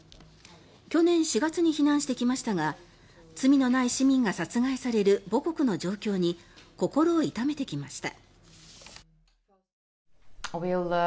去年４月に避難してきましたが罪のない市民が殺害される母国の状況に心を痛めてきました。